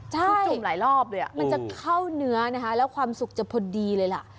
ใช่มันจะเข้าเนื้อนะฮะแล้วความสุขจะพอดีเลยล่ะ